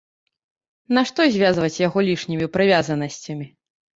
Нашто звязваць яго лішнімі прывязанасцямі?